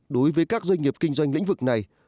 đối với các doanh nghiệp kinh doanh lĩnh vực này